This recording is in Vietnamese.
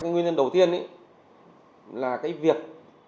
nguyên nhân đầu tiên là việc